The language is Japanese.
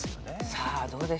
さあどうでしょう？